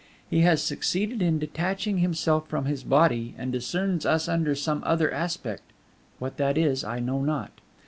He has succeeded in detaching himself from his body, and discerns us under some other aspect what that is, I know not.